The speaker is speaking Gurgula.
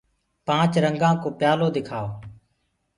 پآنچ رنگآ ڪو پيآ لو دکآئو